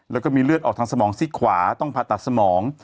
แล้วก็มีเลือดออกทางสมองซีกขวาต้องผ่าตัดสมอง